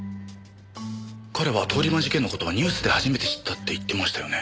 彼は通り魔事件の事はニュースで初めて知ったって言ってましたよね？